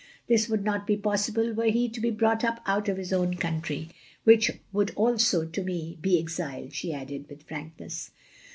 This would not be possible were he to be brought up out of his own coimtry: which would also, to me, be exile," she added, with frankness.